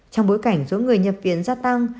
trong bối cảnh số người nhập viện gia tăng